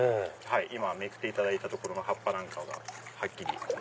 今めくっていただいた所の葉っぱなんかははっきり。